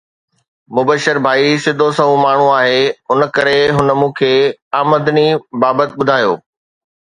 مبشر ڀائي سڌو سنئون ماڻهو آهي، ان ڪري هن مون کي آمدني بابت ٻڌايو